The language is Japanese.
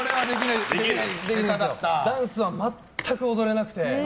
ダンスは全く踊れなくて。